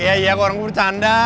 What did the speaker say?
iya iya kok orang gue bercanda